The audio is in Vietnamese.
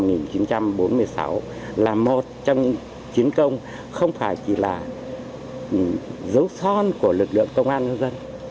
năm một nghìn chín trăm bốn mươi sáu là một trong chiến công không chỉ là dấu son của lực lượng công an